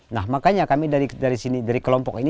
nah makanya kami dari sini dari kelompok ini